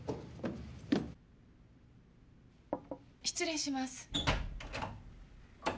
失礼します。